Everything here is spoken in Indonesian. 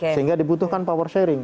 sehingga dibutuhkan power sharing